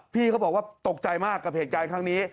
พี่เขาบอกว่าตกใจมากกับเหตุการณ์ครั้งนี้